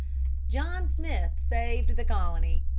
John Smith saved the colony.